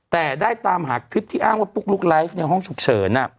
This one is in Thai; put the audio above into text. แต่ได้ตามหาคลิปที่อ้างว่าปุ๊กลุ๊กไลฟ์ในห้องฉุกเฉิน